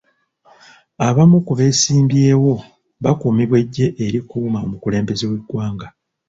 Abamu ku beesimbyewo bakuumibwa eggye erikuuma omukulembeze w'eggwanga.